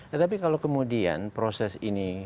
tetapi kalau kemudian proses ini